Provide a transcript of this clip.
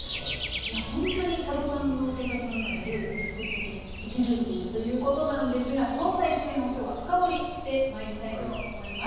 いやほんとに佐渡さんの生活の中には料理が密接に息づいているということなんですがそんな一面を今日は深掘りしてまいりたいと思います。